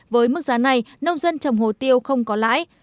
với mức giá này nông dân trồng hồ tiêu không có lãi